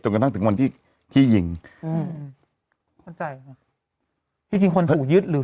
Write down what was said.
กระทั่งถึงวันที่ที่ยิงอืมเข้าใจค่ะที่จริงคนถูกยึดหรือ